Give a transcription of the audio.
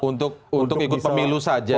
untuk ikut pemilu saja